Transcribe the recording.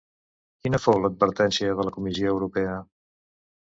Quina fou l'advertència de la Comissió Europea?